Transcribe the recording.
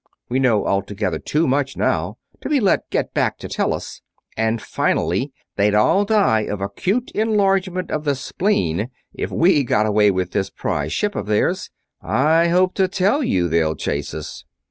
We know altogether too much now to be let get back to Tellus; and finally, they'd all die of acute enlargement of the spleen if we get away with this prize ship of theirs. I hope to tell you they'll chase us!"